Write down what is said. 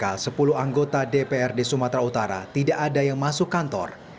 sejak sepuluh anggota dprd sumatera utara tidak ada yang masuk kantor